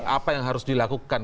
apa yang harus dilakukan